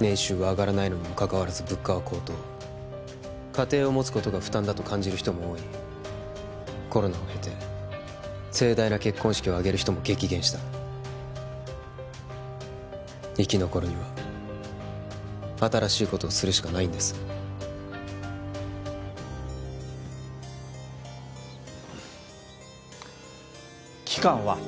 年収は上がらないのにもかかわらず物価は高騰家庭を持つことが負担だと感じる人も多いコロナを経て盛大な結婚式を挙げる人も激減した生き残るには新しいことをするしかないんです期間は？